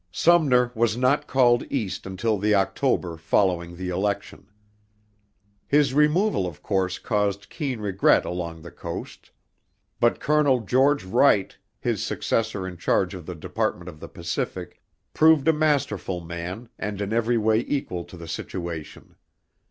Sumner was not called East until the October following the election. His removal of course caused keen regret along the coast; but Colonel George Wright, his successor in charge of the Department of the Pacific, proved a masterful man and in every way equal to the situation.